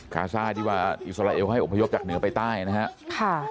กาซ่าที่ว่าอิสระเอลให้องค์พระยกจากเหนือไปต้ายนะ